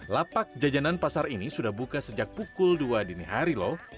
lapak jajanan pasar ini sudah buka sejak pukul dua dini hari loh